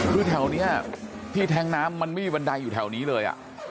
คือแถวนี้ที่แท้งน้ำมันไม่มีบันไดอยู่แถวนี้เลย